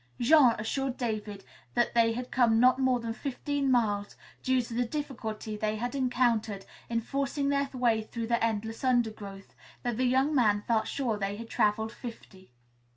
Jean assured David that they had come not more than fifteen miles, due to the difficulty they had encountered in forcing their way through the endless undergrowth, though the young man felt sure they had traveled fifty.